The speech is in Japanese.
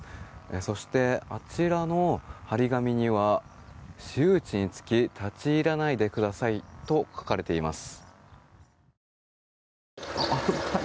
そして、あちらの張り紙には私有地につき立ち入らないで下さいと書かれています。